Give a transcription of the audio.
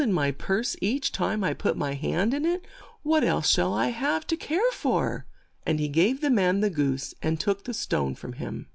If I can find gold in my purse each time I put my hand in it, what else shall I have to care for ?" And he gave the man the goose, and took the stone from him.